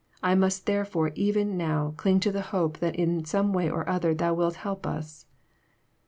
I must therefore even now cling to the hope that in some way or other Thou wilt help us."